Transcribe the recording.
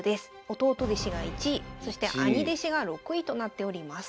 弟弟子が１位そして兄弟子が６位となっております。